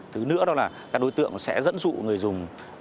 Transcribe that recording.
thứ nữa đó là các đối tượng sẽ dẫn dụ người dùng